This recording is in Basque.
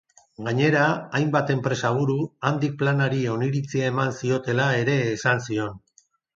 Gainera, hainbat enpresaburu handik planari oniritzia eman ziotela ere esan zion.